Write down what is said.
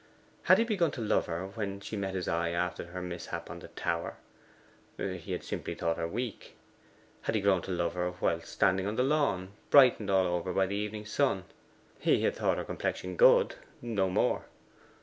Had he begun to love her when she met his eye after her mishap on the tower? He had simply thought her weak. Had he grown to love her whilst standing on the lawn brightened all over by the evening sun? He had thought her complexion good: no more.